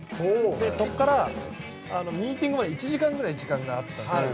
そこからミーティングまで１時間ぐらいあったんですね。